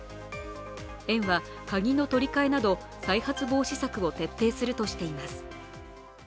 園は鍵の取り替えなど再発防止策を徹底するとしています。